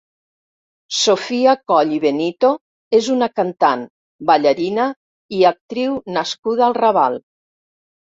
Sofia Coll i Benito és una cantant, ballarina i actriu nascuda al Raval.